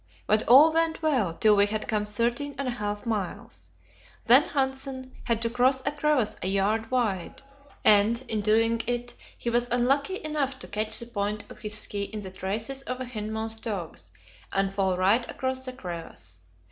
But all went well till we had come thirteen and a half miles. Then Hanssen had to cross a crevasse a yard wide, and in doing it he was unlucky enough to catch the point of his ski in the traces of the hindmost dogs, and fall right across the crevasse.